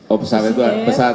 oh pesawat itu pesawat kecil bisa